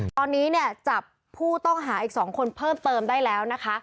ตอนนี้เนี่ยจับผู้ต้องหาอีก๒คนเพิ่มเติมได้แล้วนะคะ